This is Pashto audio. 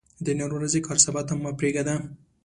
د نن ورځې کار سبا ته مه پريږده